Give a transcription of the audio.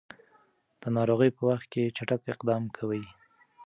د ناروغۍ په وخت کې چټک اقدام کوي.